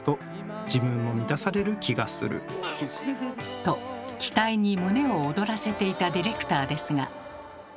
と期待に胸を躍らせていたディレクターですが。